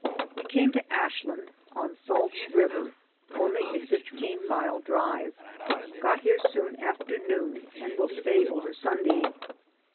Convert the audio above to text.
We came to Ashland, on Salt River, only a fifteen mile drive, got here soon after noon and will stay over Sunday.